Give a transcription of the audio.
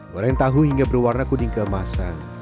goreng tahu hingga berwarna kuning keemasan